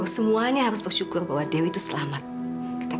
sampai jumpa di video selanjutnya